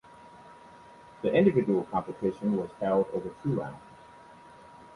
The individual competition was held over two rounds.